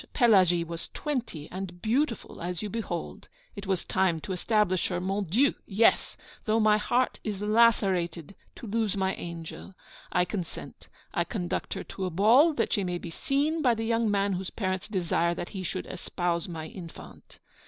Pelagie was twenty, and beautiful, as you behold. It was time to establish her. Mon Dieu! yes; though my heart is lacerated to lose my angel, I consent. I conduct her to a ball, that she may be seen by the young man whose parents desire that he should espouse my infant.